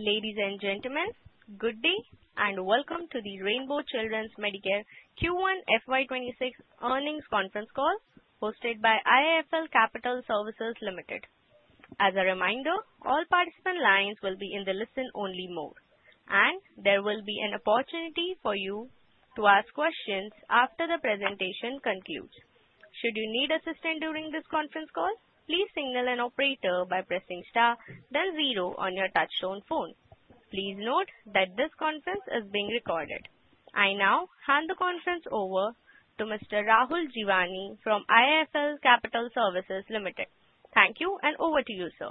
Ladies and gentlemen, good day and welcome to the Rainbow Children's Medicare Q1 FY 2026 earnings conference call hosted by IIFL Capital Services Limited. As a reminder, all participant lines will be in the listen-only mode, and there will be an opportunity for you to ask questions after the presentation concludes. Should you need assistance during this conference call, please signal an operator by pressing star, then zero on your touch-tone phone. Please note that this conference is being recorded. I now hand the conference over to Mr. Rahul Jeewani from IIFL Capital Services Limited. Thank you, and over to you, sir.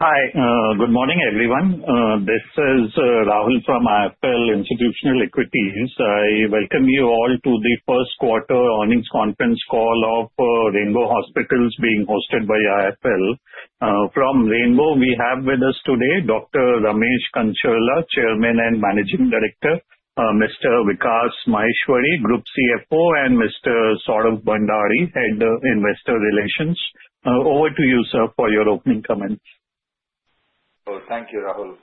Hi, good morning, everyone. This is Rahul from IIFL Institutional Equities. I welcome you all to the first quarter earnings conference call of Rainbow Hospitals being hosted by IIFL. From Rainbow, we have with us today Dr. Ramesh Kancharla, Chairman and Managing Director, Mr. Vikas Maheshwari, Group CFO, and Mr. Saurabh Bhandari, Head of Investor Relations. Over to you, sir, for your opening comments. Thank you, Rahul.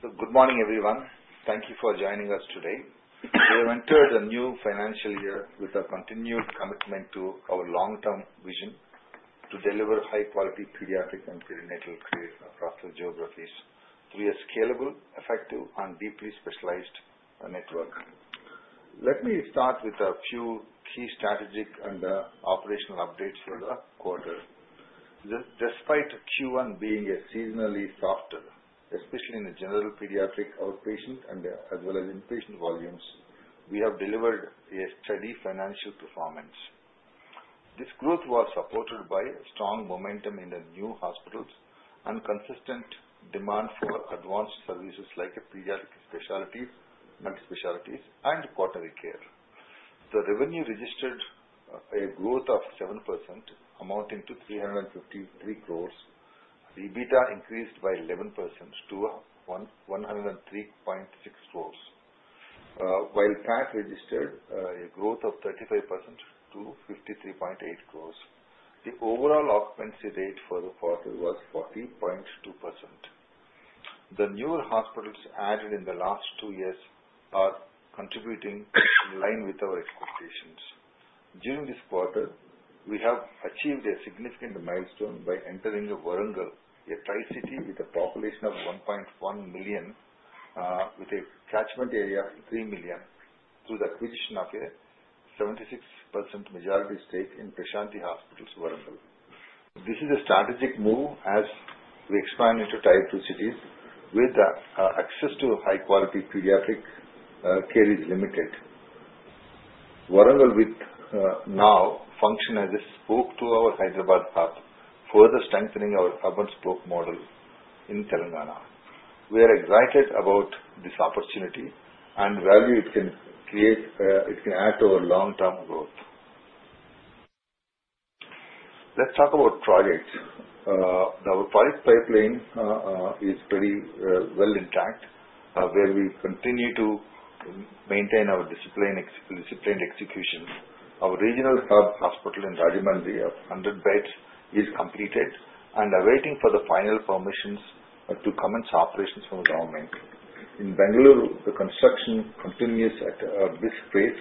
Good morning, everyone. Thank you for joining us today. We have entered a new financial year with a continued commitment to our long-term vision to deliver high-quality pediatric and perinatal care across the geographies through a scalable, effective, and deeply specialized network. Let me start with a few key strategic and operational updates for the quarter. Despite Q1 being seasonally softer, especially in the general pediatric outpatient and as well as inpatient volumes, we have delivered a steady financial performance. This growth was supported by strong momentum in the new hospitals and consistent demand for advanced services like pediatric specialties, multi-specialties, and neonatal care. The revenue registered a growth of 7%, amounting to 353 crores. EBITDA increased by 11% to 103.6 crores, while cash registered a growth of 35% to 53.8 crores. The overall occupancy rate for the quarter was 40.2%. The newer hospitals added in the last two years are contributing in line with our expectations. During this quarter, we have achieved a significant milestone by entering Warangal, a tri-city with a population of 1.1 million, with a catchment area of 3 million through the acquisition of a 76% majority stake in Prashanthi Hospitals, Warangal. This is a strategic move as we expand into type two cities where the access to high-quality pediatric care is limited. Warangal now functions as a spoke to our Hyderabad hub, further strengthening our urban spoke model in Telangana. We are excited about this opportunity and value it can create. It can add to our long-term growth. Let's talk about projects. Our project pipeline is pretty well intact, where we continue to maintain our disciplined execution. Our regional hub hospital in Rajahmundry, 100 beds, is completed and awaiting for the final permissions to commence operations from the government. In Bangalore, the construction continues at a brisk pace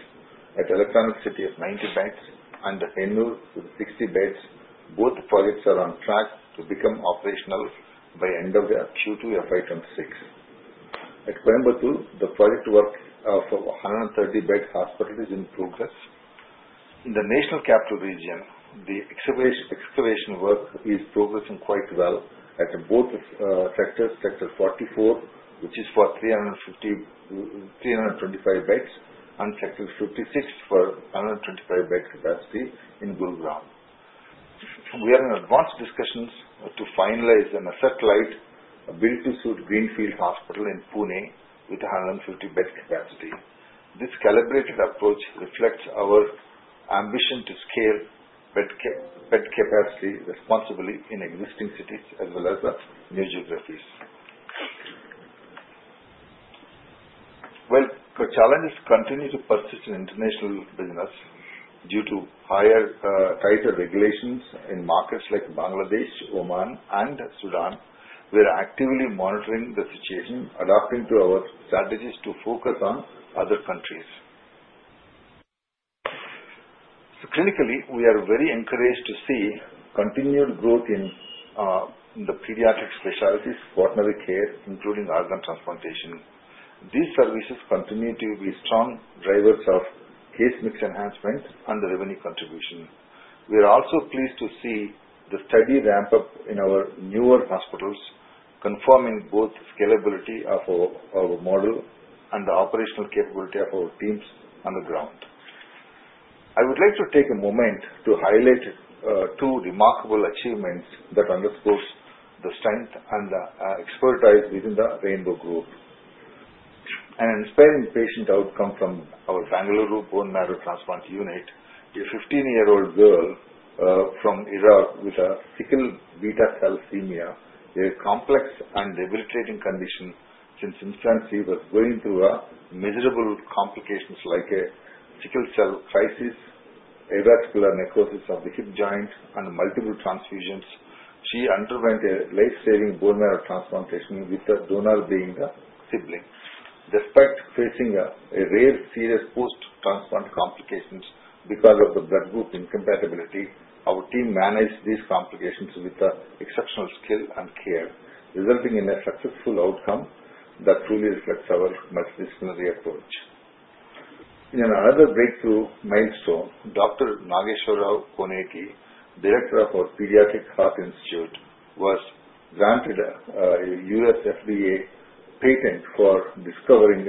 at Electronic City of 90 beds, and in Hennur, 60 beds. Both projects are on track to become operational by the end of Q2 FY 2026. At Coimbatore, the project work for 130-bed hospital is in progress. In the National Capital Region, the excavation work is progressing quite well at both sectors: Sector 44, which is for 325 beds, and Sector 56 for 125-bed capacity in Gurugram. We are in advanced discussions to finalize and asset-light a build-to-suit greenfield hospital in Pune with 150-bed capacity. This calibrated approach reflects our ambition to scale bed capacity responsibly in existing cities as well as new geographies. The challenges continue to persist in international business due to tighter regulations in markets like Bangladesh, Oman, and Sudan. We are actively monitoring the situation, adapting to our strategies to focus on other countries. Clinically, we are very encouraged to see continued growth in the pediatric specialties, neonatal care, including organ transplantation. These services continue to be strong drivers of case mix enhancement and the revenue contribution. We are also pleased to see the steady ramp-up in our newer hospitals, confirming both the scalability of our model and the operational capability of our teams on the ground. I would like to take a moment to highlight two remarkable achievements that underscore the strength and expertise within the Rainbow Group. An inspiring patient outcome from our Bangalore bone marrow transplant unit, a 15-year-old girl from Iraq with a sickle beta thalassemia, a complex and debilitating condition since infancy, was going through miserable complications like a sickle cell crisis, avascular necrosis of the hip joint, and multiple transfusions. She underwent a life-saving bone marrow transplantation with the donor being a sibling. Despite facing rare serious post-transplant complications because of the blood group incompatibility, our team managed these complications with exceptional skill and care, resulting in a successful outcome that truly reflects our multidisciplinary approach. In another breakthrough milestone, Dr. Nageswara Rao Koneti, Director of our Pediatric Heart Institute, was granted a U.S. FDA patent for discovering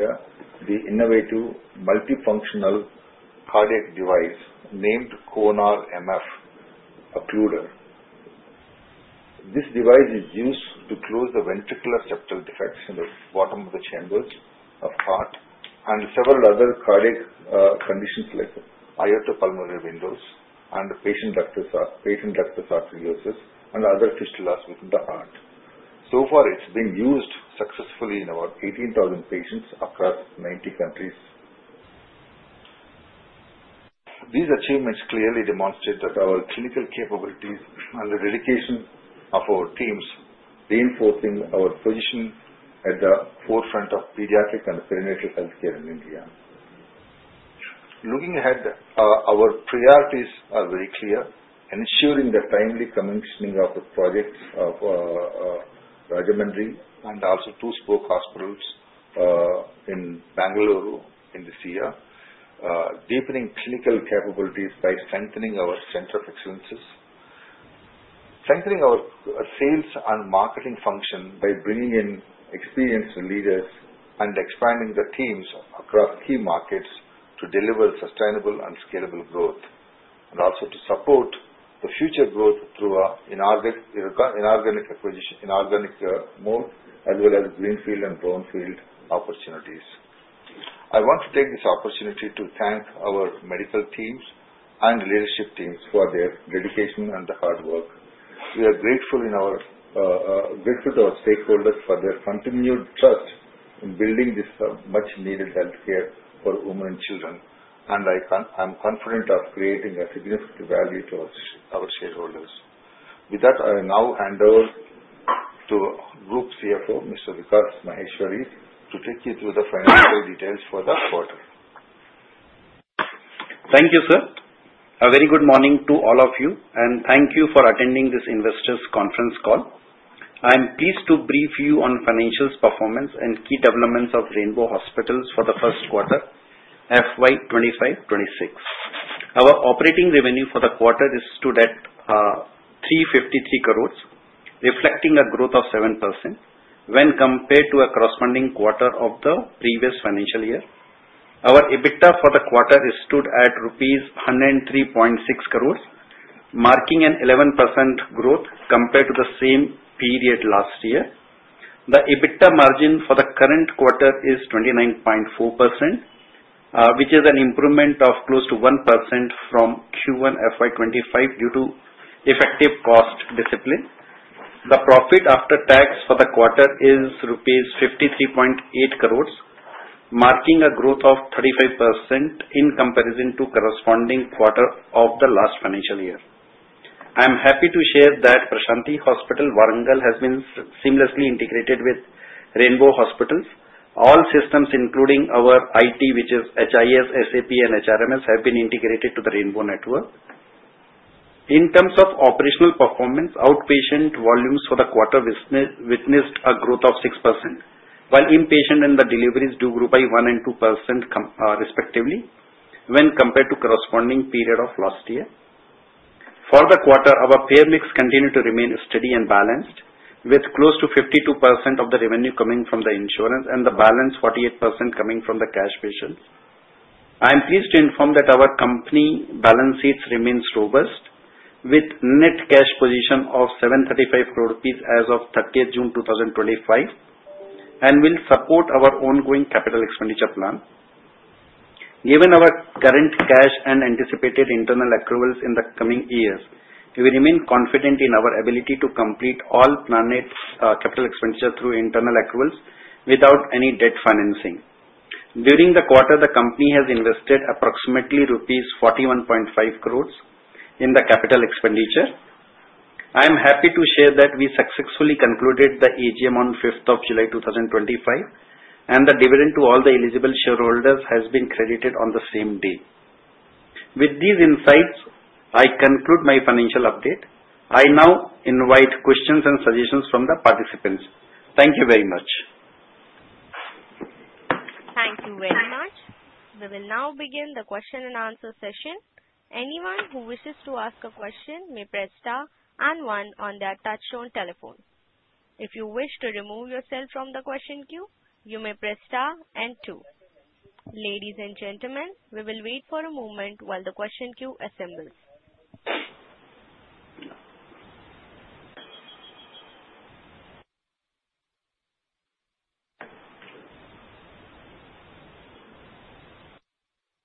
the innovative multifunctional cardiac device named KONAR-MF Occluder. This device is used to close the ventricular septal defects in the bottom of the chambers of heart and several other cardiac conditions like aortopulmonary windows and patent ductus arteriosus and other fistulas within the heart. So far, it's been used successfully in about 18,000 patients across 90 countries. These achievements clearly demonstrate that our clinical capabilities and the dedication of our teams reinforcing our position at the forefront of pediatric and perinatal healthcare in India. Looking ahead, our priorities are very clear: ensuring the timely commissioning of the projects of Rajahmundry and also two spoke hospitals in Bangalore in this year, deepening clinical capabilities by strengthening our center of excellence, strengthening our sales and marketing function by bringing in experienced leaders, and expanding the teams across key markets to deliver sustainable and scalable growth, and also to support the future growth through inorganic mode as well as greenfield and brownfield opportunities. I want to take this opportunity to thank our medical teams and leadership teams for their dedication and the hard work. We are grateful to our stakeholders for their continued trust in building this much-needed healthcare for women and children, and I'm confident of creating a significant value to our shareholders. With that, I now hand over to Group CFO, Mr. Vikas Maheshwari, to take you through the financial details for the quarter. Thank you, sir. A very good morning to all of you, and thank you for attending this investors' conference call. I'm pleased to brief you on financial performance and key developments of Rainbow Hospitals for the first quarter, FY 2025-2026. Our operating revenue for the quarter is stood at 353 crores, reflecting a growth of 7% when compared to a corresponding quarter of the previous financial year. Our EBITDA for the quarter is stood at rupees 103.6 crores, marking an 11% growth compared to the same period last year. The EBITDA margin for the current quarter is 29.4%, which is an improvement of close to 1% from Q1 FY 2025 due to effective cost discipline. The profit after tax for the quarter is 53.8 crores rupees, marking a growth of 35% in comparison to the corresponding quarter of the last financial year. I'm happy to share that Prashanthi Hospitals, Warangal has been seamlessly integrated with Rainbow Hospitals. All systems, including our IT, which is HIS, SAP, and HRMS, have been integrated to the Rainbow network. In terms of operational performance, outpatient volumes for the quarter witnessed a growth of 6%, while inpatient and the deliveries do grow by 1% and 2% respectively when compared to the corresponding period of last year. For the quarter, our payer mix continued to remain steady and balanced, with close to 52% of the revenue coming from the insurance and the balance 48% coming from the cash patients. I'm pleased to inform that our company balance sheets remain robust, with a net cash position of 735 crores rupees as of 30 June 2025, and will support our ongoing capital expenditure plan. Given our current cash and anticipated internal accruals in the coming years, we remain confident in our ability to complete all planned capital expenditure through internal accruals without any debt financing. During the quarter, the company has invested approximately rupees 41.5 crores in the capital expenditure. I'm happy to share that we successfully concluded the AGM on 5 July 2025, and the dividend to all the eligible shareholders has been credited on the same day. With these insights, I conclude my financial update. I now invite questions and suggestions from the participants. Thank you very much. Thank you very much. We will now begin the question and answer session. Anyone who wishes to ask a question may press star and one on their touch-tone telephone. If you wish to remove yourself from the question queue, you may press star and two. Ladies and gentlemen, we will wait for a moment while the question queue assembles.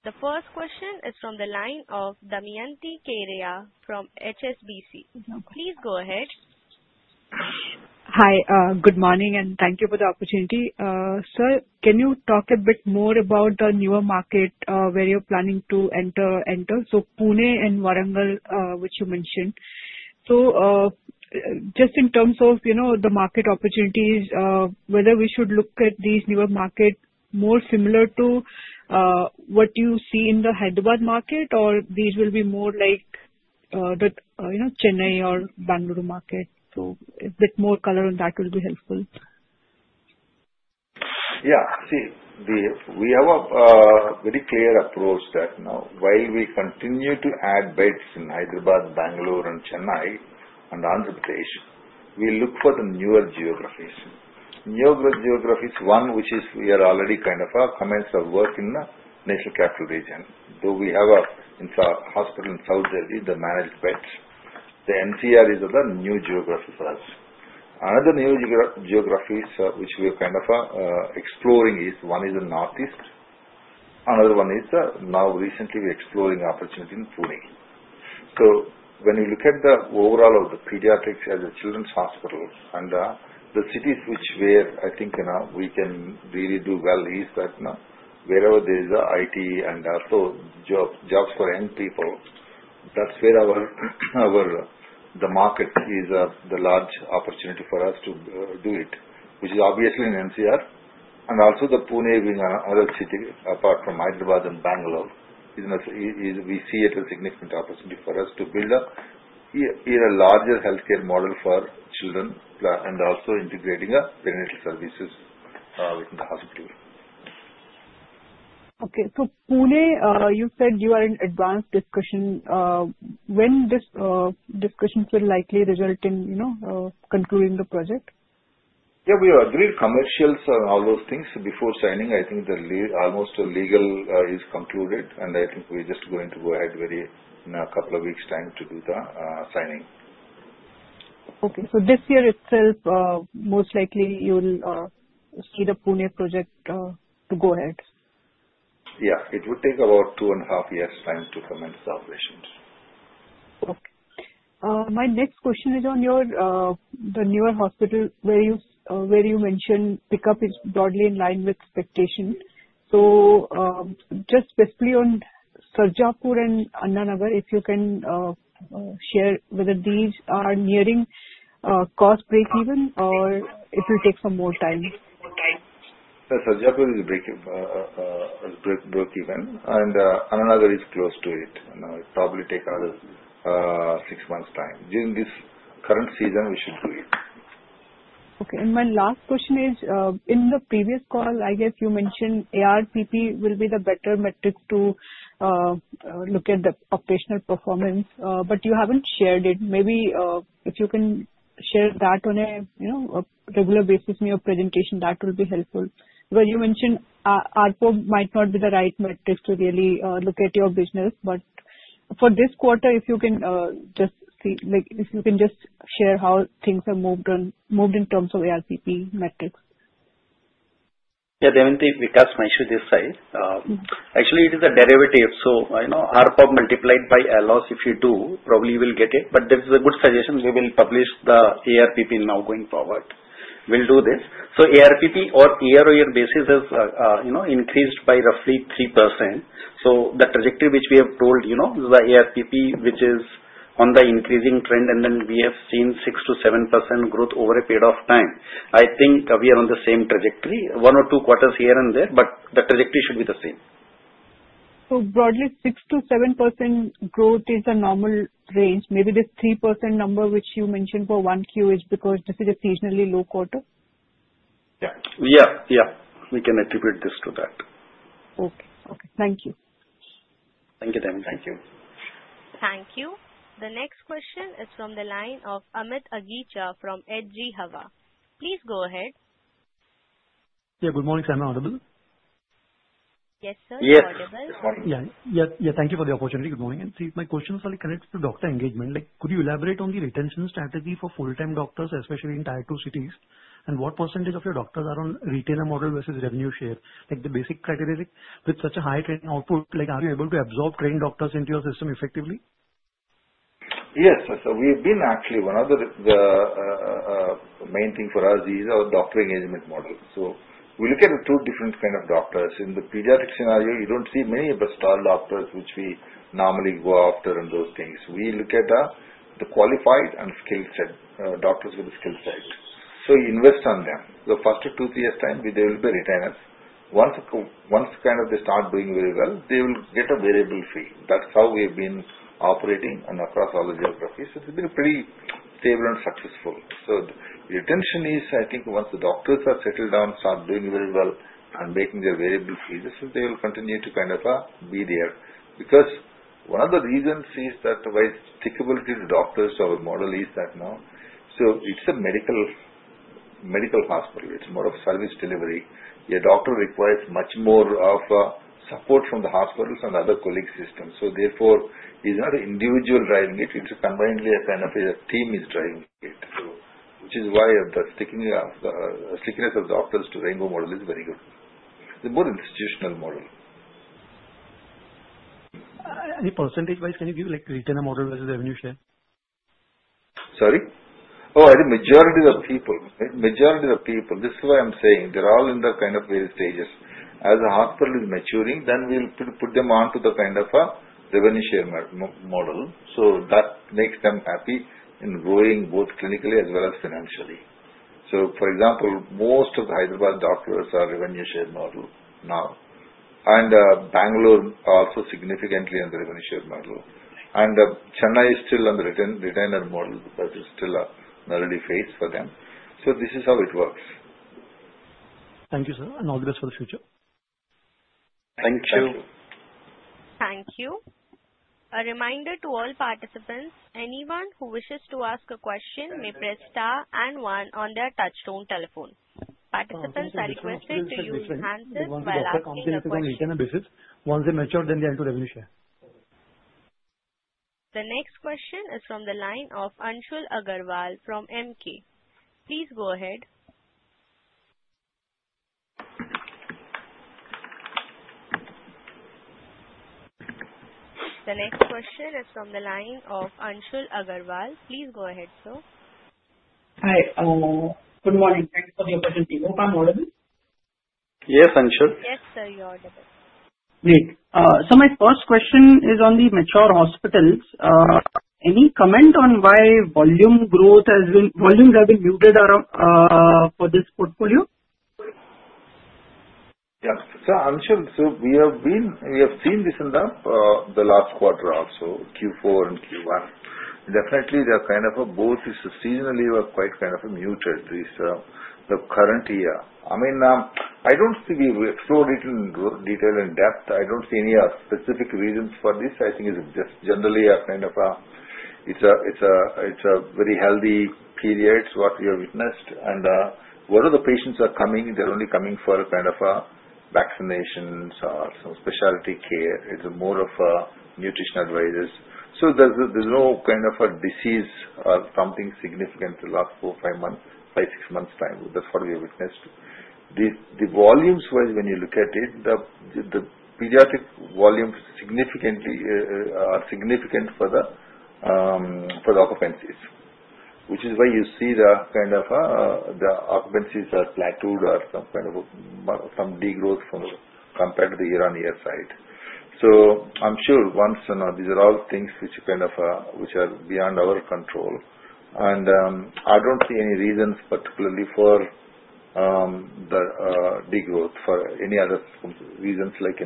The first question is from the line of Damayanti Kerai from HSBC. Please go ahead. Hi, good morning, and thank you for the opportunity. Sir, can you talk a bit more about the newer market where you're planning to enter? So Pune and Warangal, which you mentioned. So just in terms of the market opportunities, whether we should look at these newer markets more similar to what you see in the Hyderabad market, or these will be more like the Chennai or Bangalore market? So a bit more color on that will be helpful. Yeah, see, we have a very clear approach that now, while we continue to add beds in Hyderabad, Bangalore, and Chennai and Andhra Pradesh, we look for the newer geographies. Newer geographies, one which is we are already kind of commenced our work in the National Capital Region. Though we have a hospital in South Delhi, the managed beds, the NCR is the new geography for us. Another new geography which we are kind of exploring is one is the northeast. Another one is now recently we're exploring the opportunity in Pune. So when you look at the overall of the pediatrics as a children's hospital and the cities which where I think we can really do well is that wherever there is IT and also jobs for young people, that's where the market is the large opportunity for us to do it, which is obviously in NCR. Also, the Pune being another city apart from Hyderabad and Bangalore, we see it as a significant opportunity for us to build a larger healthcare model for children and also integrating perinatal services within the hospital. Okay, so Pune, you said you are in advanced discussion. When will this discussion likely result in concluding the project? Yeah, we agreed commercials and all those things before signing. I think almost legal is concluded, and I think we're just going to go ahead in a couple of weeks' time to do the signing. Okay, so this year itself, most likely you will see the Pune project to go ahead? Yeah, it would take about two and a half years' time to commence the operations. Okay. My next question is on the newer hospital where you mentioned pickup is broadly in line with expectation, so just specifically on Sarjapur and Anna Nagar, if you can share whether these are nearing cost breakeven or it will take some more time? Sarjapur is breakeven, and Anna Nagar is close to it. It will probably take another six months' time. During this current season, we should do it. Okay, and my last question is, in the previous call, I guess you mentioned ARPP will be the better metric to look at the operational performance, but you haven't shared it. Maybe if you can share that on a regular basis in your presentation, that will be helpful. Well, you mentioned ARPO might not be the right metric to really look at your business, but for this quarter, if you can just see if you can just share how things have moved in terms of ARPP metrics. Yeah, Damayanti, Vikas Maheshwari this side. Actually, it is a derivative. So ARPO multiplied by LOS, if you do, probably you will get it. But this is a good suggestion. We will publish the ARPP now going forward. We'll do this. So ARPP on a year-on-year basis has increased by roughly 3%. So the trajectory which we have told is the ARPP, which is on the increasing trend, and then we have seen 6%-7% growth over a period of time. I think we are on the same trajectory. One or two quarters here and there, but the trajectory should be the same. So broadly, 6%-7% growth is a normal range. Maybe this 3% number which you mentioned for Q1 is because this is a seasonally low quarter? Yeah, yeah, yeah. We can attribute this to that. Okay, okay. Thank you. Thank you, Damayanti. Thank you. Thank you. The next question is from the line of Amit Aghicha from HDFC Life. Please go ahead. Yeah, good morning. Can I hear audible? Yes, sir. Yes. Audible. Yeah, yeah, thank you for the opportunity. Good morning. And see, my question is only connected to doctor engagement. Could you elaborate on the retention strategy for full-time doctors, especially in tier two cities, and what percentage of your doctors are on retainer model versus revenue share? The basic criteria with such a high training output, are you able to absorb trained doctors into your system effectively? Yes, so we've been actually one of the main things for us is our doctor engagement model. So we look at two different kinds of doctors. In the pediatric scenario, you don't see many of the star doctors which we normally go after and those things. We look at the qualified and skilled doctors with a skilled side. So you invest on them. The first two, three years' time, there will be retainers. Once kind of they start doing very well, they will get a variable fee. That's how we have been operating across all the geographies. So it's been pretty stable and successful. So the retention is, I think once the doctors are settled down, start doing very well and making their variable fee, they will continue to kind of be there. Because one of the reasons is that why it's applicable to the doctors' model is that now, so it's a medical hospital. It's more of service delivery. Your doctor requires much more of support from the hospitals and other colleague systems. So therefore, it's not individual driving it. It's combined kind of a team is driving it, which is why the stickiness of doctors to Rainbow model is very good. It's a more institutional model. Any percentage-wise, can you give retainer model versus revenue share? Sorry? Oh, I think majority of people, this is why I'm saying they're all in the kind of various stages. As the hospital is maturing, then we'll put them onto the kind of a revenue share model. So that makes them happy in growing both clinically as well as financially. So for example, most of the Hyderabad doctors are revenue share model now. And Bangalore also significantly on the revenue share model. And Chennai is still on the retainer model because it's still an early phase for them. So this is how it works. Thank you, sir, and all the best for the future. Thank you. Thank you. A reminder to all participants. Anyone who wishes to ask a question may press star and one on their touch-tone telephone. Participants are requested to use the handset while answering questions. Once they mature, they'll return the business. Once they mature, then they'll do revenue share. The next question is from the line of Anshul Agrawal from Emkay. Please go ahead. The next question is from the line of Anshul Agrawal. Please go ahead, sir. Hi, good morning. Thanks for the opportunity. Hope I'm audible. Yes, Anshul. Yes, sir, you're audible. Great. So my first question is on the mature hospitals. Any comment on why volume growth has been muted for this portfolio? Yeah, so Anshul, so we have seen this in the last quarter also, Q4 and Q1. Definitely, the kind of a OP is seasonally quite kind of a muted this current year. I mean, I don't think we've explored it in detail and depth. I don't see any specific reasons for this. I think it's just generally a kind of a it's a very healthy period, what we have witnessed. And what are the patients are coming? They're only coming for kind of vaccinations or some specialty care. It's more of nutrition advisors. So there's no kind of a disease or something significant in the last four, five, six months' time. That's what we have witnessed. The volumes-wise, when you look at it, the pediatric volumes are significant for the occupancies, which is why you see the kind of occupancies are plateaued or some kind of degrowth compared to the year-on-year side. So I'm sure once these are all things which are kind of beyond our control. And I don't see any reasons particularly for the degrowth for any other reasons like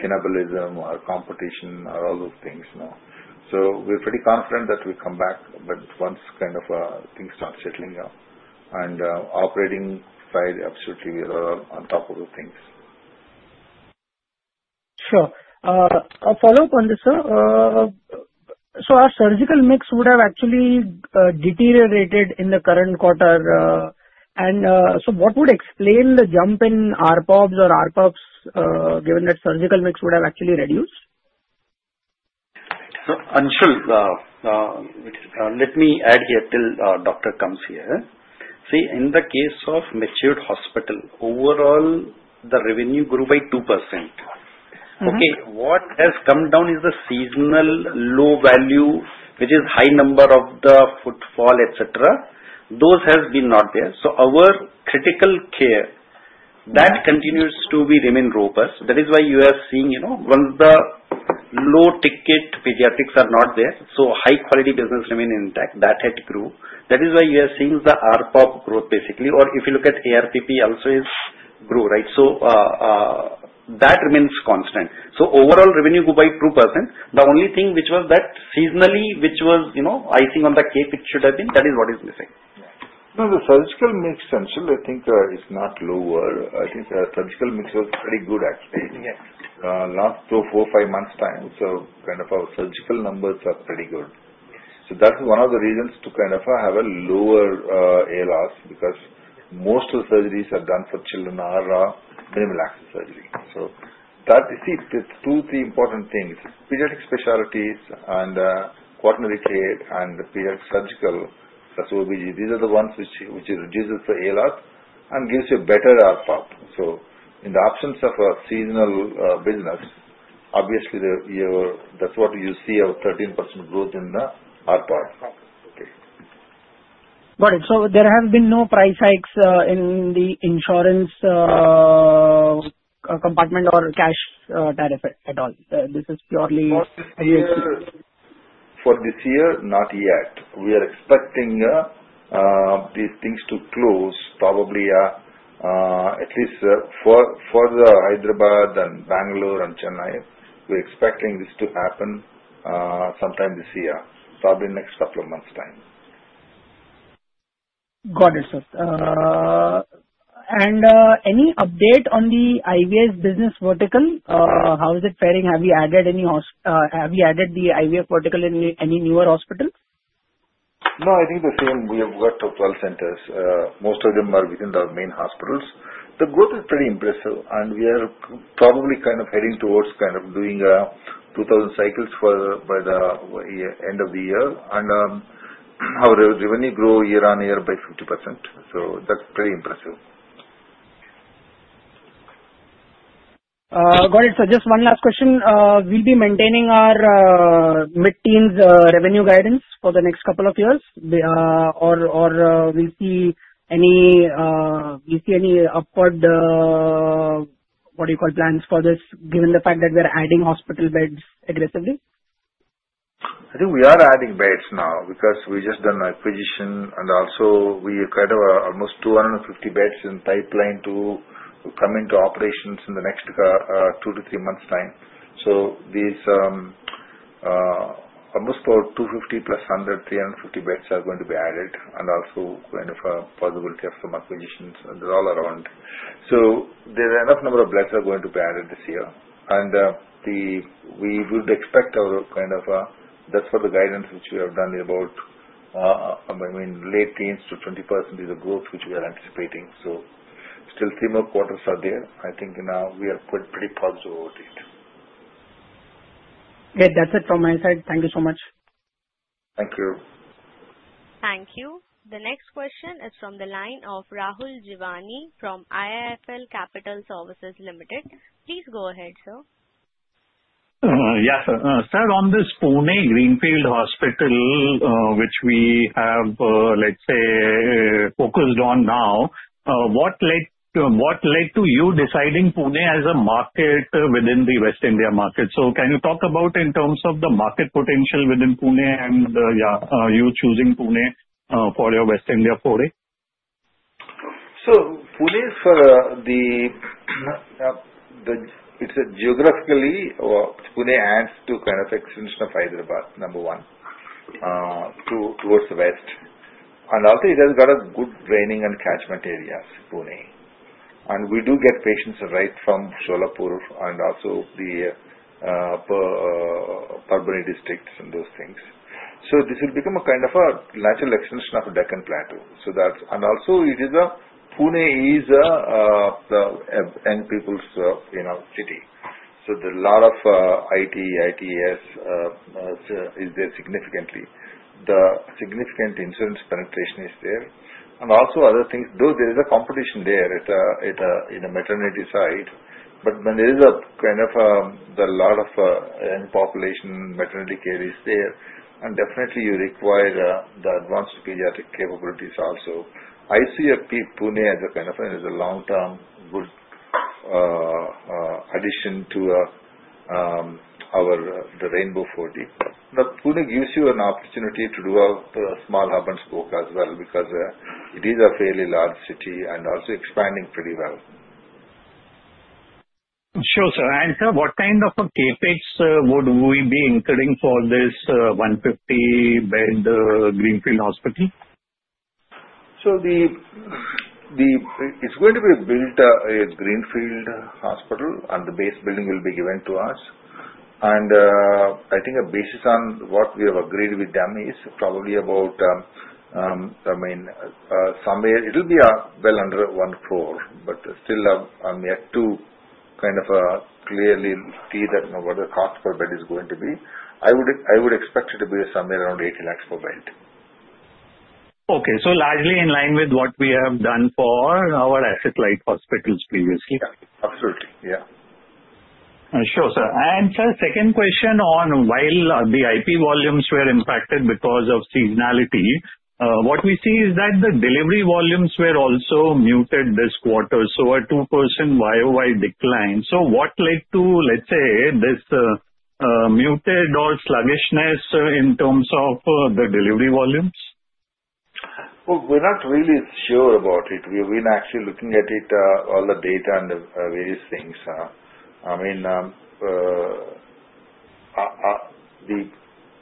cannibalism or competition or all those things. So we're pretty confident that we come back once kind of things start settling down. And operating side, absolutely, we are on top of the things. Sure. A follow-up on this, sir, so our surgical mix would have actually deteriorated in the current quarter, and so what would explain the jump in ARPO or ARPP, given that surgical mix would have actually reduced? So Anshul, let me add here till doctor comes here. See, in the case of mature hospital, overall, the revenue grew by 2%. Okay, what has come down is the seasonal low value, which is high number of the footfall, etc. Those have been not there. So our critical care that continues to remain robust. That is why you are seeing once the low ticket pediatrics are not there, so high-quality business remain intact. That had grew. That is why you are seeing the ARPO growth, basically. Or if you look at ARPP also has grow, right? So that remains constant. So overall revenue grew by 2%. The only thing which was that seasonally, which was icing on the cake, it should have been. That is what is missing. No, the surgical mix actually, I think, is not lower. I think the surgical mix was pretty good, actually. Last four, five months' time, so kind of our surgical numbers are pretty good. So that's one of the reasons to kind of have a lower ALOS because most of the surgeries are done for children are minimal access surgery. So you see, there's two, three important things. Pediatric specialties and quaternary care and pediatric surgical, that's OBGYN. These are the ones which reduces the ALOS and gives you a better ARPO. So in the absence of a seasonal business, obviously, that's what you see of 13% growth in the ARPO. Okay. Got it. So there have been no price hikes in the insurance component or cash tariff at all. This is purely. For this year, not yet. We are expecting these things to close probably at least for the Hyderabad and Bangalore and Chennai. We're expecting this to happen sometime this year, probably in the next couple of months' time. Got it, sir. And any update on the IVF business vertical? How is it faring? Have you added the IVF vertical in any newer hospital? No, I think the same. We have got 12 centers. Most of them are within the main hospitals. The growth is pretty impressive. And we are probably kind of heading towards kind of doing 2,000 cycles by the end of the year. And our revenue grew year-on-year by 50%. So that's pretty impressive. Got it. So just one last question. We'll be maintaining our mid-teens revenue guidance for the next couple of years, or will see any upward, what do you call, plans for this, given the fact that we are adding hospital beds aggressively? I think we are adding beds now because we just done acquisition. And also, we are kind of almost 250 beds in pipeline to come into operations in the next two to three months' time. So these almost 250 plus 100, 350 beds are going to be added. And also kind of a possibility of some acquisitions and all around. So there are enough number of beds that are going to be added this year. And we would expect our kind of that's for the guidance which we have done about. I mean, late teens to 20% is the growth which we are anticipating. So still three more quarters are there. I think now we are pretty positive about it. Great. That's it from my side. Thank you so much. Thank you. Thank you. The next question is from the line of Rahul Jeewani from IIFL Capital Services Limited. Please go ahead, sir. Yes, sir. Sir, on this Pune Greenfield Hospital, which we have, let's say, focused on now, what led to you deciding Pune as a market within the West India market? So can you talk about in terms of the market potential within Pune and, yeah, you choosing Pune for your West India foray? So, Pune, for the, it's geographically. Pune adds to kind of extension of Hyderabad, number one, towards the west. And also, it has got a good drainage and catchment areas, Pune. And we do get patients right from Solapur and also the Parbhani districts and those things. So this will become a kind of a natural extension of Deccan Plateau. So that's and also, it is a. Pune is a young people's city. So there's a lot of IT, ITES is there significantly. The significant insurance penetration is there. And also other things, though there is a competition there in the maternity side. But when there is a kind of a lot of young population, maternity care is there. And definitely, you require the advanced pediatric capabilities also. I see Pune as a kind of a long-term good addition to our Rainbow 40. Now, Pune gives you an opportunity to do a small hub and spoke as well because it is a fairly large city and also expanding pretty well. Sure, sir. Sir, what kind of CapEx would we be incurring for this 150-bed Greenfield Hospital? It's going to be a greenfield hospital, and the base building will be given to us. I think based on what we have agreed with them is probably about, I mean, somewhere it'll be well under one crore, but still we need to kind of clearly see what the cost per bed is going to be. I would expect it to be somewhere around 80 lakhs per bed. Okay. So largely in line with what we have done for our asset-light hospitals previously. Absolutely. Yeah. Sure, sir. And sir, second question on while the IP volumes were impacted because of seasonality, what we see is that the delivery volumes were also muted this quarter. So a 2% YoY decline. So what led to, let's say, this muted or sluggishness in terms of the delivery volumes? We're not really sure about it. We've been actually looking at all the data and various things. I mean,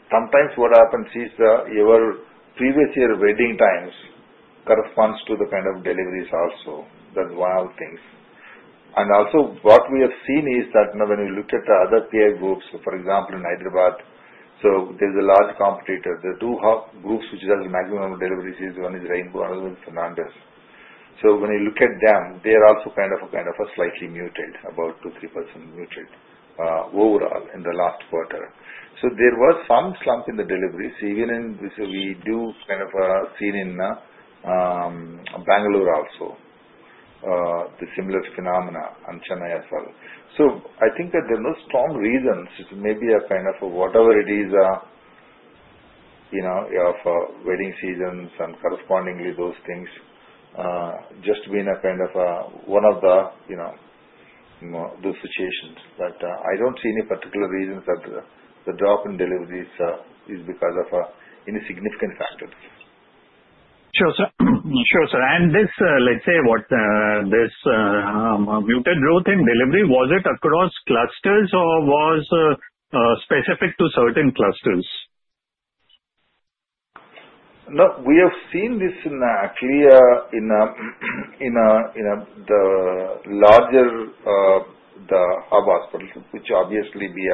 sometimes what happens is your previous year wedding times corresponds to the kind of deliveries also. That's one of the things. Also, what we have seen is that when we look at the other peer groups, for example, in Hyderabad, so there's a large competitor. There are two groups which have maximum deliveries. One is Rainbow and another one is Fernandez. So when you look at them, they are also kind of a slightly muted, about 2%-3% muted overall in the last quarter. So there was some slump in the deliveries, even we do kind of see in Bangalore also the similar phenomena and Chennai as well. I think that there are no strong reasons. It may be a kind of whatever it is of wedding seasons and correspondingly those things just being a kind of one of the situations. But I don't see any particular reasons that the drop in deliveries is because of any significant factors. Sure, sir. Sure, sir. And this, let's say, what this muted growth in delivery, was it across clusters or was specific to certain clusters? No, we have seen this clearly in the larger hub hospitals, which obviously be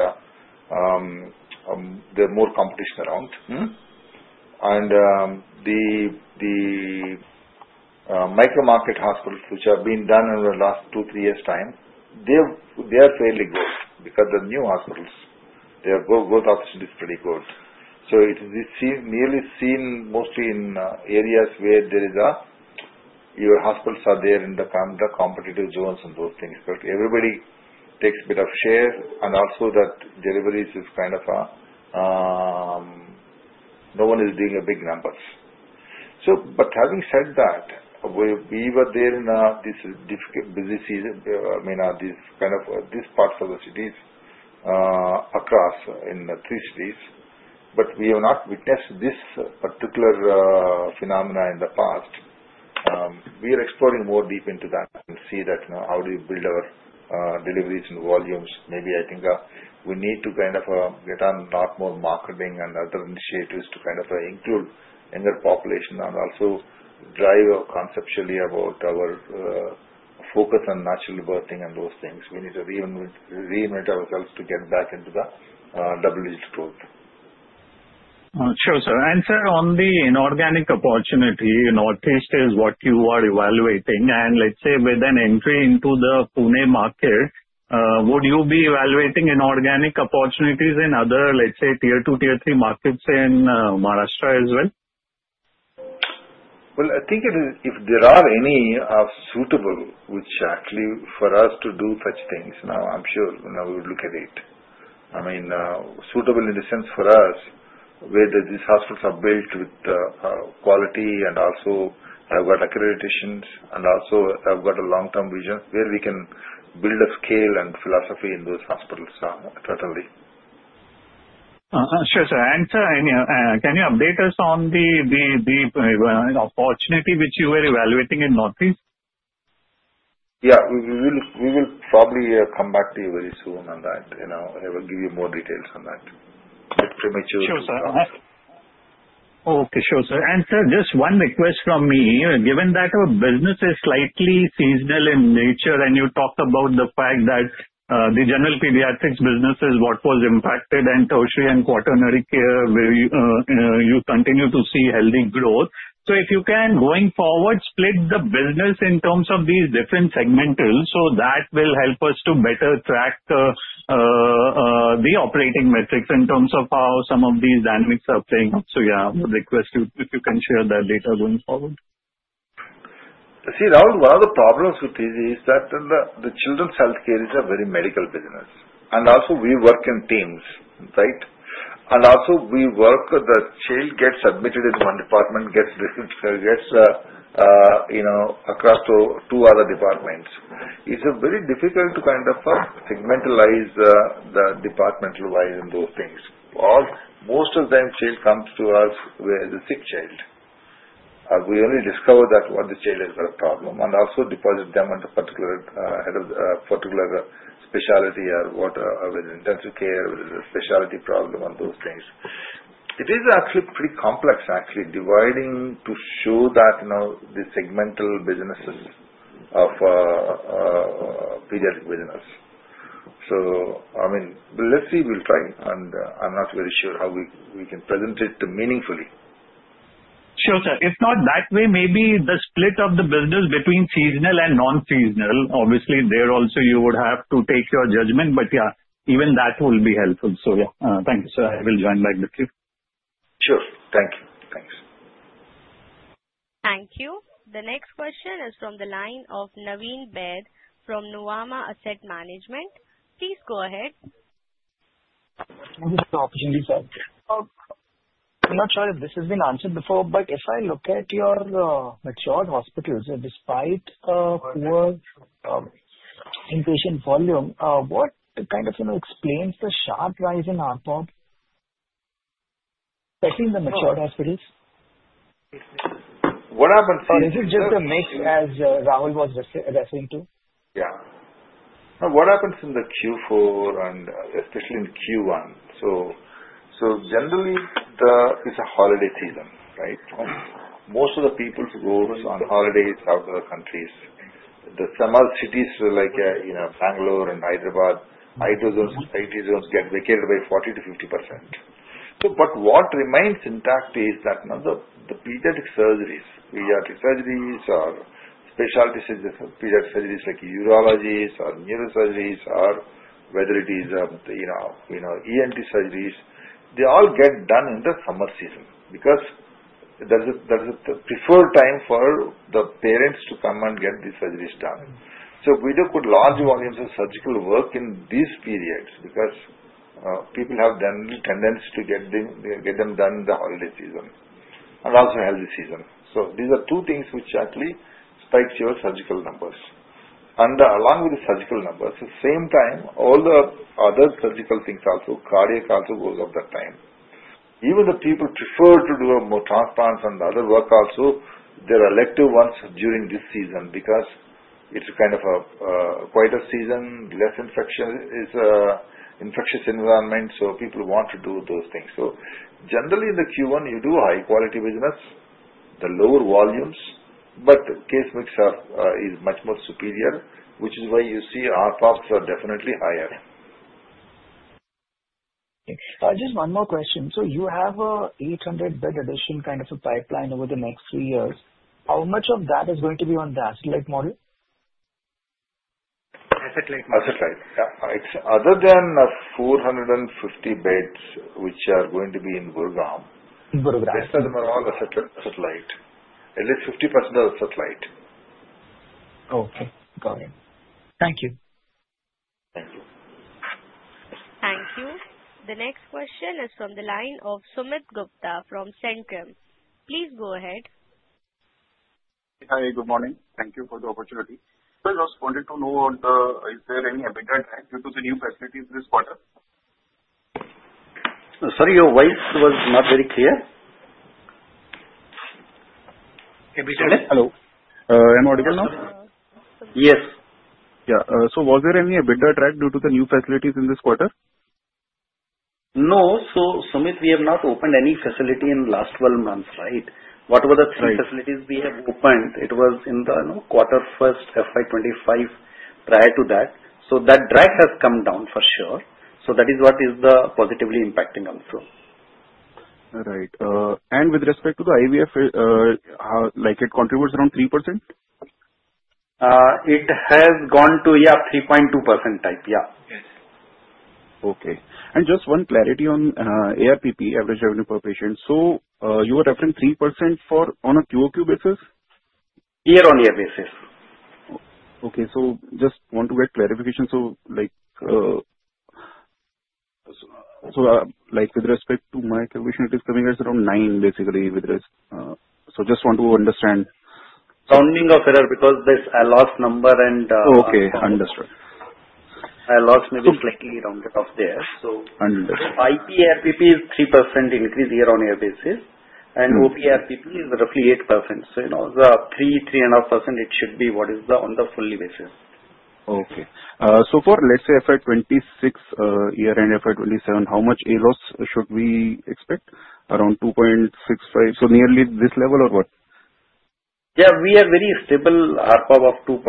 there more competition around. And the micro-market hospitals which have been done in the last two, three years' time, they are fairly good because the new hospitals, their growth opportunity is pretty good. So it is nearly seen mostly in areas where there is a your hospitals are there in the competitive zones and those things. But everybody takes a bit of share. And also, that deliveries is kind of no one is doing big numbers. But having said that, we were there in this busy season, I mean, these parts of the cities across in three cities. But we have not witnessed this particular phenomenon in the past. We are exploring more deep into that and see that how do you build our deliveries and volumes. Maybe I think we need to kind of get on a lot more marketing and other initiatives to kind of include younger population and also drive conceptually about our focus on natural birthing and those things. We need to reinvent ourselves to get back into the double-digit growth. Sure, sir. And sir, on the inorganic opportunity, Northeast is what you are evaluating. And let's say with an entry into the Pune market, would you be evaluating inorganic opportunities in other, let's say, tier two, tier three markets in Maharashtra as well? I think if there are any suitable which actually for us to do such things, now I'm sure we would look at it. I mean, suitable in the sense for us where these hospitals are built with quality and also have got accreditations and also have got a long-term vision where we can build a scale and philosophy in those hospitals totally. Sure, sir and sir, can you update us on the opportunity which you were evaluating in Northeast? Yeah. We will probably come back to you very soon on that. I will give you more details on that. It's premature. Sure, sir. Okay. Sure, sir. And sir, just one request from me. Given that our business is slightly seasonal in nature and you talked about the fact that the general pediatrics business is what was impacted and tertiary and quaternary care, you continue to see healthy growth. So if you can, going forward, split the business in terms of these different segmentals. So that will help us to better track the operating metrics in terms of how some of these dynamics are playing out. So yeah, I would request you if you can share that data going forward. See, now one of the problems with this is that the children's healthcare is a very medical business. And also, we work in teams, right? And also, we work the child gets admitted in one department, gets across to two other departments. It's very difficult to kind of segmentalize the departmental wise and those things. Most of them, child comes to us where it is a sick child. We only discover that what the child has got a problem and also dispose them under a particular specialty or whatever intensive care with a specialty problem and those things. It is actually pretty complex, actually, dividing to show that the segmental businesses of pediatric business. So I mean, let's see. We'll try. And I'm not very sure how we can present it meaningfully. Sure, sir. If not that way, maybe the split of the business between seasonal and non-seasonal, obviously, there also you would have to take your judgment. But yeah, even that will be helpful. So yeah, thank you, sir. I will join back with you. Sure. Thank you. Thanks. Thank you. The next question is from the line of Naveen Baid from Nuvama Asset Management. Please go ahead. Thank you for the opportunity, sir. I'm not sure if this has been answered before, but if I look at your matured hospitals, despite poor inpatient volume, what kind of explains the sharp rise in ARPO, especially in the matured hospitals? What happens is that. Is it just a mix as Rahul was referring to? Yeah. What happens in the Q4 and especially in Q1? So generally, it's a holiday season, right? Most of the people go on holidays out of the countries. Some other cities like Bangalore and Hyderabad, IT zones get vacated by 40%-50%. But what remains intact is that the pediatric surgeries or specialty pediatric surgeries like urologies or neurosurgeries or whether it is ENT surgeries, they all get done in the summer season because that is the preferred time for the parents to come and get these surgeries done. So we do put large volumes of surgical work in these periods because people have the tendency to get them done in the holiday season and also summer season. So these are two things which actually spikes your surgical numbers. And along with the surgical numbers, at the same time, all the other surgical things also, cardiac also goes up that time. Even people prefer to do more transplants and other work also, their elective ones during this season because it's kind of a quieter season, less infectious environment. So people want to do those things. So generally, in the Q1, you do high-quality business, the lower volumes, but case mix is much more superior, which is why you see ARPOs are definitely higher. Just one more question. So you have an 800-bed addition kind of a pipeline over the next three years. How much of that is going to be on the asset-light model? Asset-light model. Asset-light. Yeah. All right. Other than 450 beds which are going to be in Gurugram. In Gurugram. The rest of them are all asset-light. At least 50% are asset-light. Okay. Got it. Thank you. Thank you. Thank you. The next question is from the line of Sumit Gupta from Centrum. Please go ahead. Hi. Good morning. Thank you for the opportunity. Sir, I was wanting to know, is there any evidence due to the new facilities this quarter? Sorry, your voice was not very clear. Evidence? Hello. Am I audible now? Yes. Yeah. So was there any evidence due to the new facilities in this quarter? No. So Sumit, we have not opened any facility in the last 12 months, right? What were the three facilities we have opened? It was in the first quarter, FY 2025, prior to that. So that drag has come down for sure. So that is what is positively impacting also. Right. And with respect to the IVF, it contributes around 3%? It has gone to, yeah, 3.2% type. Yeah. Okay. And just one clarity on ARPP, average revenue per patient. So you were referring 3% on a QOQ basis? Year-on-year basis. Okay. So just want to get clarification. So with respect to my calculation, it is coming as around nine, basically. So just want to understand. Rounding off error because there's a loss number and. Okay. Understood. ALOS, maybe slightly rounded off there, so IP ARPP is 3% increase year-on-year basis, and OP ARPP is roughly 8%, so the 3%-3.5%, it should be what is on the full basis. Okay, so for, let's say, FY26 year-end, FY27, how much ALOS should we expect? Around 2.65, so nearly this level or what? Yeah. We are very stable ARPO of 2.6-2.75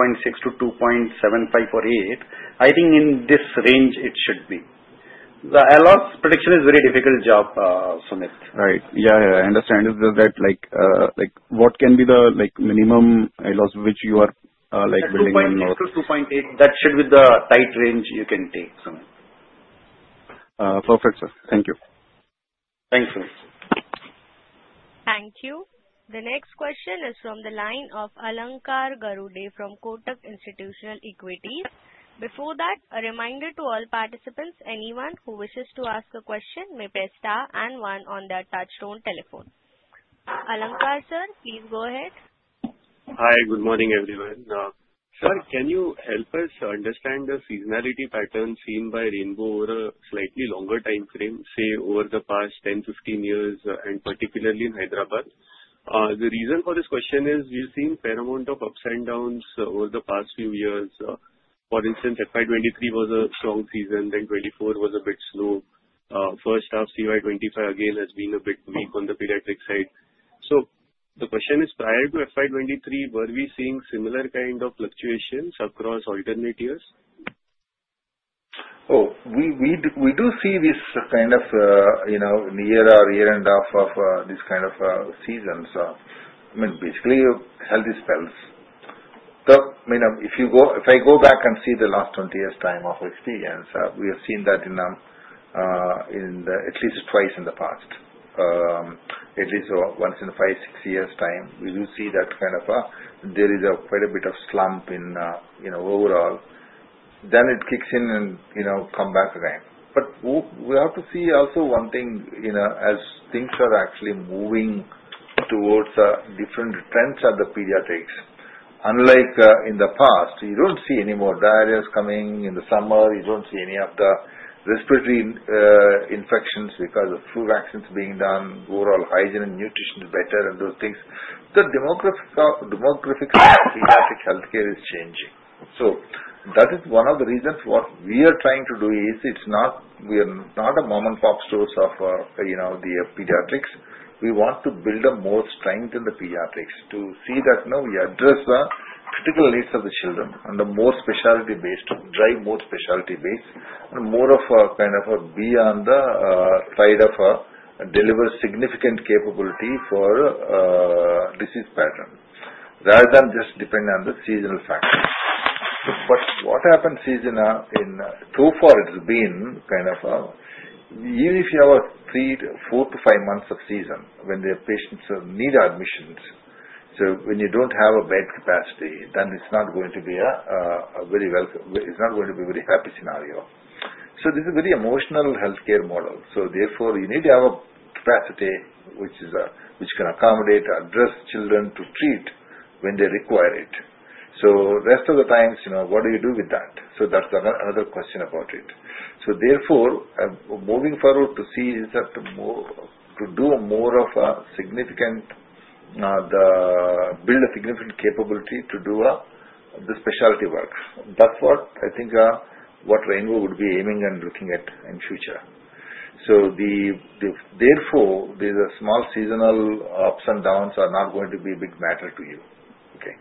or so. I think in this range, it should be. The ALOS prediction is a very difficult job, Sumit. Right. Yeah. I understand. Is that what can be the minimum ALOS which you are building? 2.6 to 2.8. That should be the tight range you can take, Sumit. Perfect, sir. Thank you. Thank you. Thank you. The next question is from the line of Alankar Garude from Kotak Institutional Equities. Before that, a reminder to all participants, anyone who wishes to ask a question may press star and one on their touch-tone telephone. Alankar sir, please go ahead. Hi. Good morning, everyone. Sir, can you help us understand the seasonality pattern seen by Rainbow over a slightly longer time frame, say, over the past 10, 15 years, and particularly in Hyderabad? The reason for this question is we've seen a fair amount of ups and downs over the past few years. For instance, FY23 was a strong season, then 24 was a bit slow. First half, CY 2025 again has been a bit weak on the pediatric side. So the question is, prior to FY 2023, were we seeing similar kind of fluctuations across alternate years? Oh, we do see this kind of near year-end of this kind of seasons. I mean, basically, healthy spells. I mean, if I go back and see the last 20 years' time of experience, we have seen that at least twice in the past, at least once in five, six years' time. We do see that kind of there is quite a bit of slump in overall. Then it kicks in and come back again. But we have to see also one thing as things are actually moving towards different trends at the pediatrics. Unlike in the past, you don't see any more diarrheas coming in the summer. You don't see any of the respiratory infections because of flu vaccines being done. Overall, hygiene and nutrition is better and those things. Demographically, pediatric healthcare is changing. So that is one of the reasons. What we are trying to do is, it's not. We are not a mom-and-pop stores of the pediatrics. We want to build up more strength in the pediatrics to see that we address the critical needs of the children and the more specialty-based, drive more specialty-based and more of a kind of be on the side of deliver significant capability for disease pattern rather than just depending on the seasonal factors. But what happens in season so far, it has been kind of even if you have a three to four to five months of season when the patients need admissions, so when you don't have a bed capacity, then it's not going to be a very happy scenario. So this is a very emotional healthcare model. So therefore, you need to have a capacity which can accommodate, address children to treat when they require it. So rest of the times, what do you do with that? So that's another question about it. So therefore, moving forward to see is that to do more of a significant build a significant capability to do the specialty work. That's what I think what Rainbow would be aiming and looking at in future. So therefore, there's a small seasonal ups and downs are not going to be a big matter to you. Okay.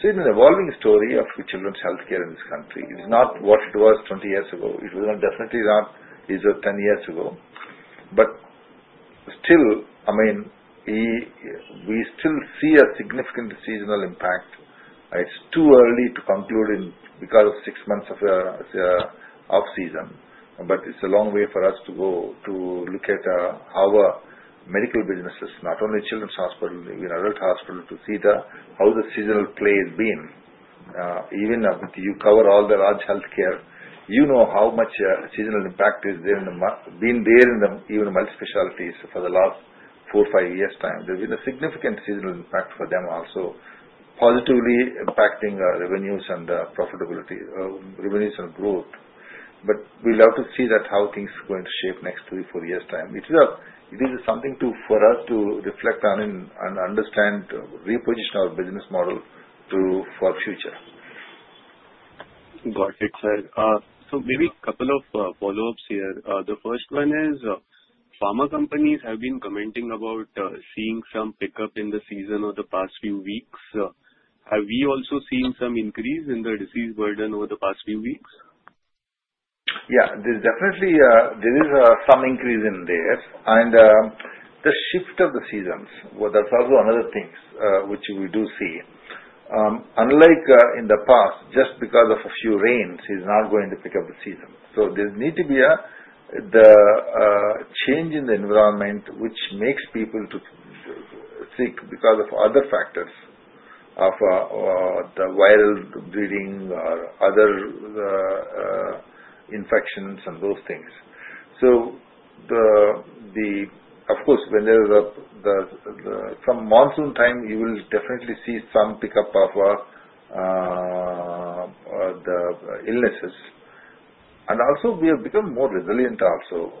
So it's an evolving story of children's healthcare in this country. It's not what it was 20 years ago. It was definitely not these 10 years ago. But still, I mean, we still see a significant seasonal impact. It's too early to conclude because of six months of off-season. But it's a long way for us to go to look at our medical businesses, not only children's hospital, even adult hospital, to see how the seasonal play has been. Even if you cover all the large healthcare, you know how much seasonal impact has been there in even multi-specialties for the last four, five years' time. There's been a significant seasonal impact for them also, positively impacting revenues and profitability and growth. But we'll have to see how things are going to shape next three, four years' time. It is something for us to reflect on and understand, reposition our business model for future. Got it, sir. So maybe a couple of follow-ups here. The first one is pharma companies have been commenting about seeing some pickup in the season over the past few weeks. Have we also seen some increase in the disease burden over the past few weeks? Yeah. There's definitely some increase in there, and the shift of the seasons, that's also another thing which we do see. Unlike in the past, just because of a few rains, it's not going to pick up the season, so there needs to be a change in the environment which makes people sick because of other factors of the viral breeding or other infections and those things, so of course, when there's some monsoon time, you will definitely see some pickup of the illnesses, and also, we have become more resilient also.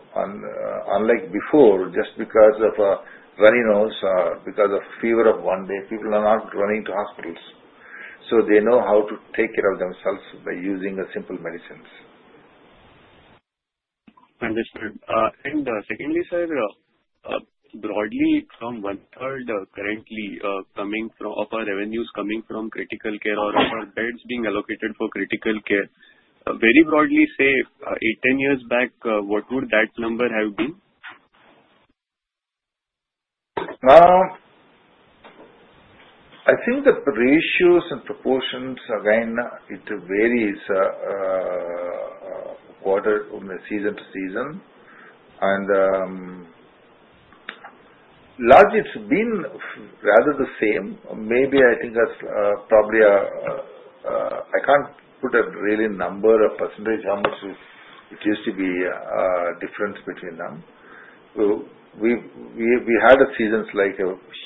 Unlike before, just because of a runny nose or because of a fever of one day, people are not running to hospitals, so they know how to take care of themselves by using simple medicines. Understood. And secondly, sir, broadly, from one-third currently coming from of our revenues coming from critical care or of our beds being allocated for critical care, very broadly say, eight, 10 years back, what would that number have been? I think the ratios and proportions, again, it varies quarter from season to season, and largely, it's been rather the same. Maybe I think that's probably, I can't put a real number, a percentage, how much it used to be difference between them. We had seasons like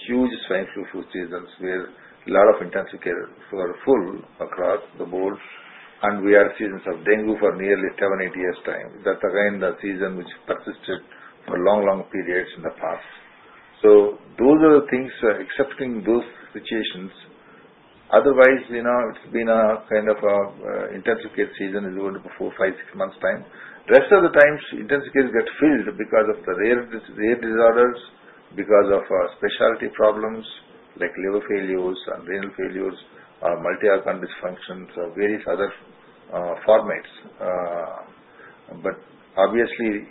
huge swine flu seasons, where a lot of intensive care full across the board, and we had seasons of dengue for nearly 7, 8 years' time. That's again the season which persisted for long, long periods in the past, those are the things, excepting those situations. Otherwise, it's been a kind of intensive care season is going to be four, five, six months' time. The rest of the times, intensive care got filled because of the rare disorders, because of specialty problems like liver failures and renal failures or multi-organ dysfunctions or various other formats. but obviously,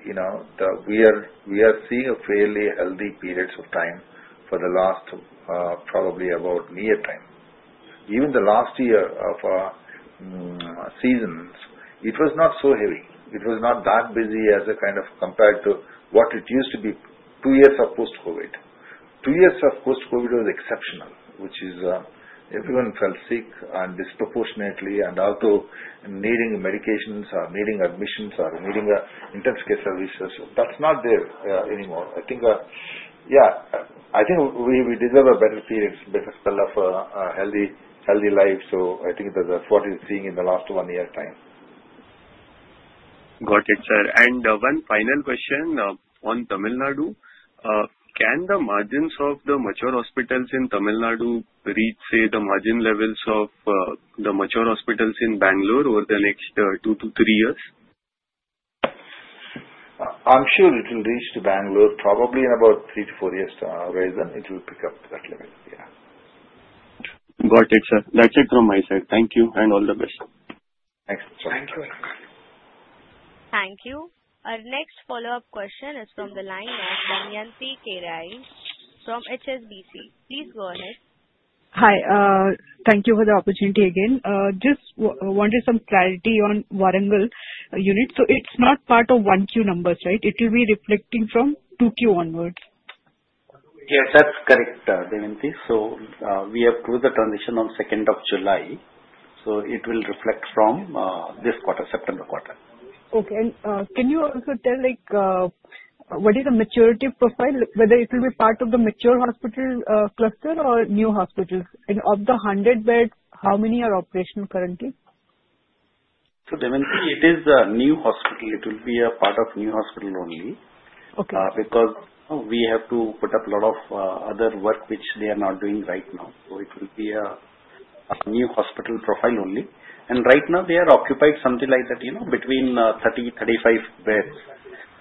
we are seeing fairly healthy periods of time for the last probably about a year time. Even the last year of seasons, it was not so heavy. It was not that busy as a kind of compared to what it used to be two years of post-COVID. Two years of post-COVID was exceptional, which is everyone felt sick and disproportionately and also needing medications or needing admissions or needing intensive care services. That's not there anymore. I think, yeah, I think we deserve a better period, better spell of a healthy life, so I think that's what we're seeing in the last one year's time. Got it, sir. And one final question on Tamil Nadu. Can the margins of the mature hospitals in Tamil Nadu reach, say, the margin levels of the mature hospitals in Bangalore over the next two to three years? I'm sure it will reach to Bangalore probably in about three to four years, horizon. It will pick up that level. Yeah. Got it, sir. That's it from my side. Thank you and all the best. Thanks. Thank you. Thank you. Our next follow-up question is from the line of Damayanti Kerai from HSBC. Please go ahead. Hi. Thank you for the opportunity again. Just wanted some clarity on Warangal unit. So it's not part of one Q numbers, right? It will be reflecting from two Q onwards. Yes, that's correct, Damayanti. So we approve the transition on second of July. So it will reflect from this quarter, September quarter. Okay. And can you also tell what is the maturity profile, whether it will be part of the mature hospital cluster or new hospitals? And of the 100 beds, how many are operational currently? So, Damayanti, it is new hospital. It will be a part of new hospital only because we have to put up a lot of other work, which they are not doing right now. So it will be a new hospital profile only. And right now, they are occupied something like that, between 30-35 beds.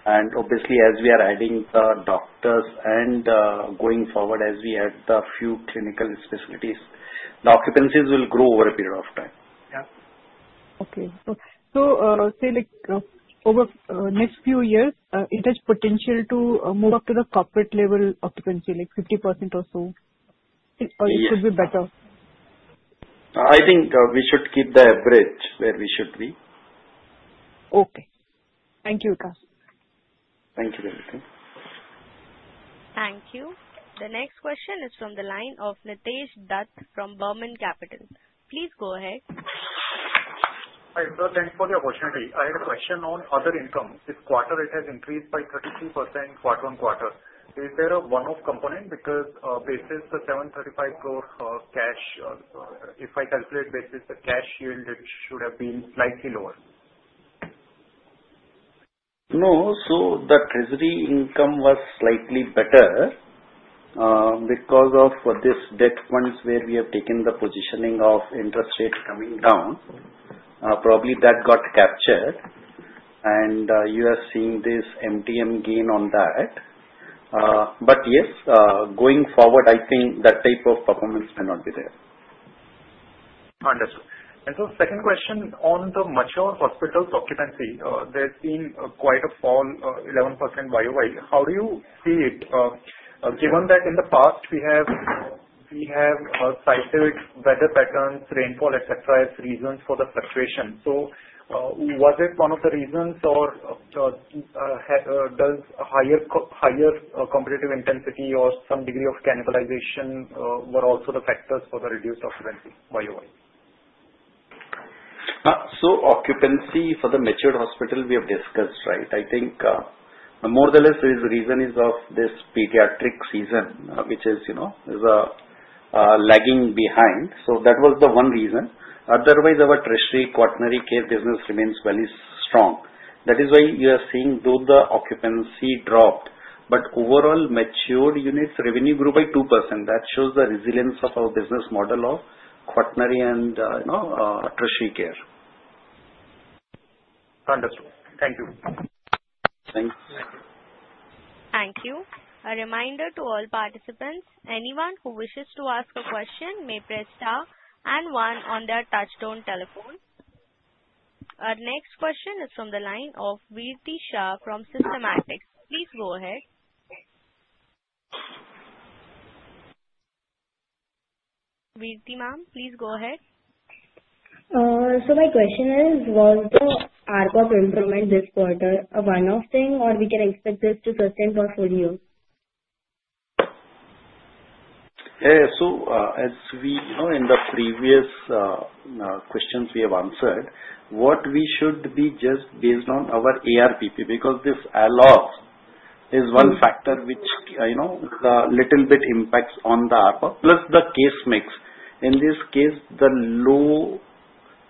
And obviously, as we are adding the doctors and going forward, as we add the few clinical specialties, the occupancies will grow over a period of time. Yeah. Okay. So say over the next few years, it has potential to move up to the corporate level occupancy, like 50% or so. Or it could be better? I think we should keep the average where we should be. Okay. Thank you, sir. Thank you, Damayanti. Thank you. The next question is from the line of Nitesh Dutt from Burman Capital. Please go ahead. Hi, sir. Thanks for the opportunity. I had a question on other income. This quarter, it has increased by 33% quarter on quarter. Is there a one-off component because basis the 735 crore cash, if I calculate basis the cash yield, it should have been slightly lower? No. So the treasury income was slightly better because of this debt funds where we have taken the positioning of interest rate coming down. Probably that got captured. And you are seeing this MTM gain on that. But yes, going forward, I think that type of performance may not be there. Understood. And so second question on the mature hospitals occupancy. There's been quite a fall, 11% YoY. How do you see it? Given that in the past, we have cited weather patterns, rainfall, etc., as reasons for the fluctuation. So was it one of the reasons, or does higher competitive intensity or some degree of cannibalization were also the factors for the reduced occupancy YoY? So occupancy for the mature hospital we have discussed, right? I think more or less the reason is of this pediatric season, which is lagging behind. So that was the one reason. Otherwise, our tertiary, quaternary care business remains fairly strong. That is why you are seeing though the occupancy dropped, but overall matured units revenue grew by 2%. That shows the resilience of our business model of quaternary and tertiary care. Understood. Thank you. Thank you. Thank you. A reminder to all participants. Anyone who wishes to ask a question may press star and one on their touch-tone telephone. Our next question is from the line of Virti Shah from Systematix. Please go ahead. Virti ma'am, please go ahead. My question is, was the ARPO improvement this quarter a one-off thing, or can we expect this to sustain for four years? As we in the previous questions we have answered, what we should be just based on our ARPP because this ALOS is one factor which a little bit impacts on the ARPOB plus the case mix. In this case, the low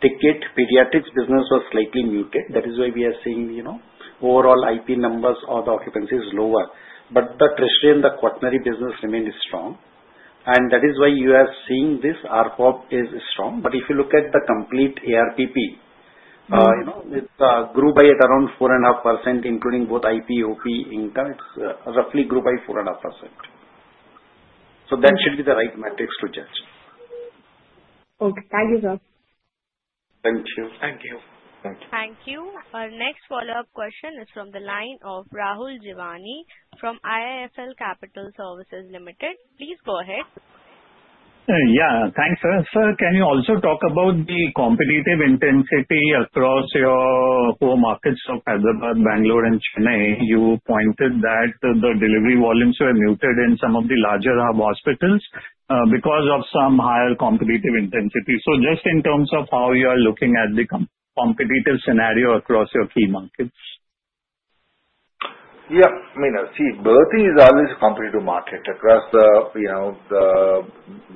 ticket pediatrics business was slightly muted. That is why we are seeing overall IP numbers or the occupancy is lower. But the tertiary and the quaternary business remained strong. And that is why you are seeing this ARPOB is strong. But if you look at the complete ARPP, it grew by around 4.5%, including both IP, OP income. It's roughly grew by 4.5%. That should be the right metrics to judge. Okay. Thank you, sir. Thank you. Thank you. Thank you. Thank you. Our next follow-up question is from the line of Rahul Jeewani from IIFL Capital Services Limited. Please go ahead. Yeah. Thanks, sir. Sir, can you also talk about the competitive intensity across your four markets of Hyderabad, Bangalore, and Chennai? You pointed that the delivery volumes were muted in some of the larger hospitals because of some higher competitive intensity. So just in terms of how you are looking at the competitive scenario across your key markets. Yeah. I mean, see, every city is always a competitive market. Across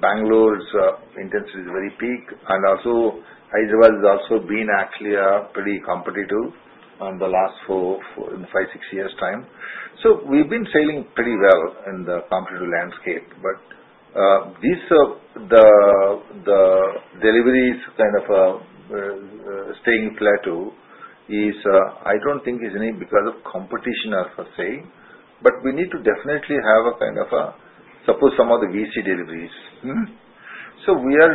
Bangalore, the intensity is very high. And also, Hyderabad has also been actually pretty competitive in the last five, six years' time. So we've been sailing pretty well in the competitive landscape. But the deliveries kind of staying plateau is, I don't think, because of any competition, I would say. But we need to definitely have a kind of support for some of the VC deliveries. So we are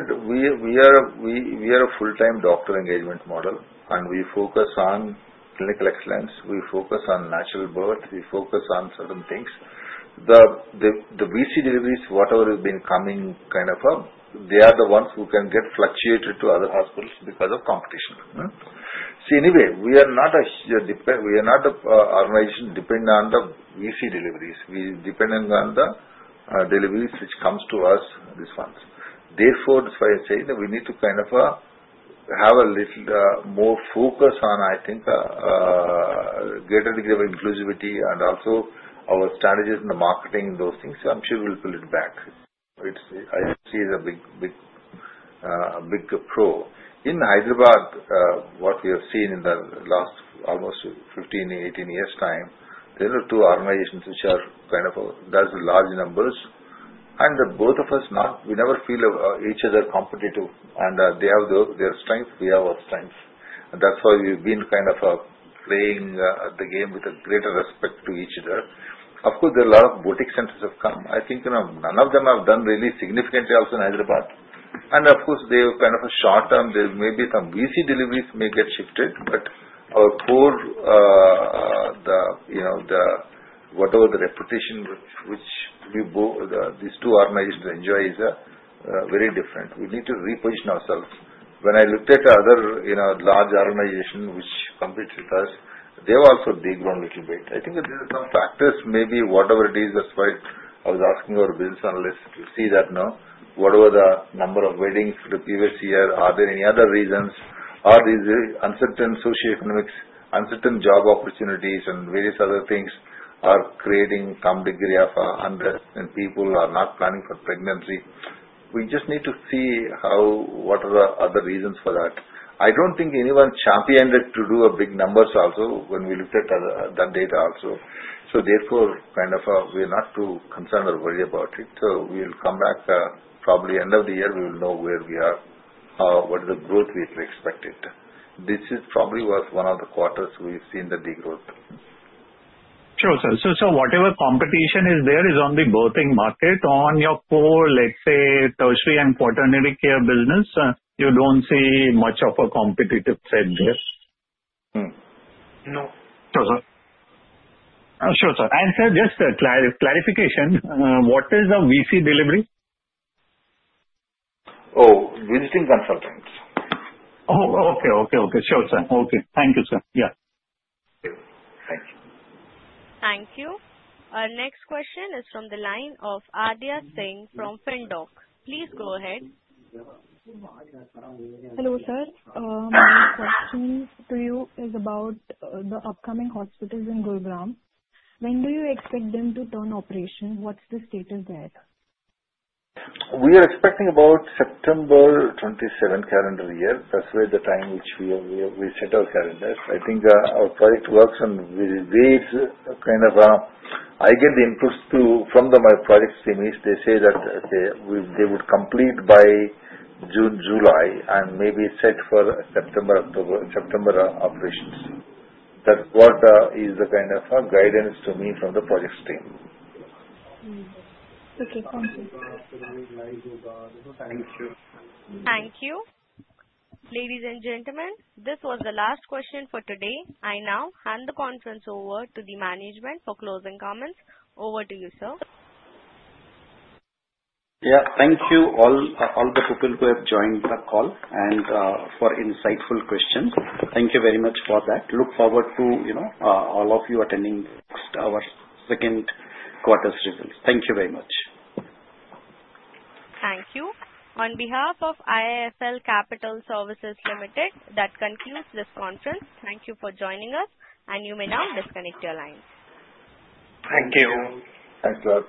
a full-time doctor engagement model, and we focus on clinical excellence. We focus on natural birth. We focus on certain things. The VC deliveries, whatever has been coming kind of up, they are the ones who can get fluctuated to other hospitals because of competition. See, anyway, we are not an organization dependent on the VC deliveries. We are dependent on the deliveries which come to us this month. Therefore, that's why I say that we need to kind of have a little more focus on, I think, a greater degree of inclusivity and also our strategies in the marketing and those things. I'm sure we'll pull it back. I see it as a big pro. In Hyderabad, what we have seen in the last almost 15, 18 years' time, there are two organizations which are kind of that's the large numbers. And both of us, we never feel each other competitive. And they have their strength. We have our strength. And that's why we've been kind of playing the game with a greater respect to each other. Of course, there are a lot of boutique centers have come. I think none of them have done really significantly also in Hyderabad. And of course, they have kind of a short-term, there may be some VC deliveries may get shifted. But our core, whatever the reputation which these two organizations enjoy is very different. We need to reposition ourselves. When I looked at other large organizations which compete with us, they've also degrown a little bit. I think there are some factors. Maybe whatever it is, that's why I was asking our business analysts to see that now. What were the number of weddings for the previous year? Are there any other reasons? Are these uncertain socioeconomics, uncertain job opportunities, and various other things are creating some degree of unrest, and people are not planning for pregnancy? We just need to see what are the other reasons for that. I don't think anyone championed it to do big numbers also when we looked at that data also. So therefore, kind of we are not too concerned or worried about it. So we'll come back probably end of the year, we will know where we are, what is the growth we expected. This probably was one of the quarters we've seen the degrowth. Sure, sir. So whatever competition is there is on the birthing market. On your core, let's say, tertiary and quaternary care business, you don't see much of a competitive trend there. No. No, sir. Sure, sir. Sir, just a clarification. What is a VC delivery? Oh, visiting consultants. Oh, okay, okay, okay. Sure, sir. Okay. Thank you, sir. Yeah. Thank you. Thank you. Our next question is from the line of Adya Singh from Fendoc. Please go ahead. Hello, sir. My question to you is about the upcoming hospitals in Gurugram. When do you expect them to turn operational? What's the status there? We are expecting about September 27, calendar year. That's where the time which we set our calendars. I think our project works on various kind of. I get the inputs from my project team. They say that they would complete by June, July, and maybe set for September operations. That is the kind of guidance to me from the project team. Okay. Thank you. Thank you. Ladies and gentlemen, this was the last question for today. I now hand the conference over to the management for closing comments. Over to you, sir. Yeah. Thank you all the people who have joined the call and for insightful questions. Thank you very much for that. Look forward to all of you attending next our second quarter's results. Thank you very much. Thank you. On behalf of IIFL Capital Services Limited, that concludes this conference. Thank you for joining us, and you may now disconnect your line. Thank you. Thank you.